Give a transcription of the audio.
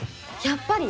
やっぱり。